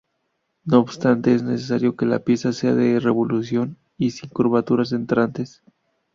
No obstante, es necesario que la pieza sea de revolución y sin curvaturas entrantes.